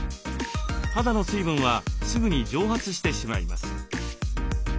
肌の水分はすぐに蒸発してしまいます。